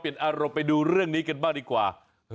เปลี่ยนอรบไปดูเรื่องนี้กันบ้างดีกว่า